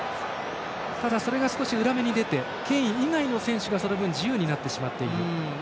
ただ、それが少し裏目に出てケイン以外の選手が自由になってしまっていると。